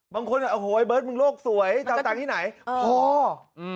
บางคนอ่ะโหไอ้เบิร์ดมึงโลกสวยจำตังค์ที่ไหนเออพออืม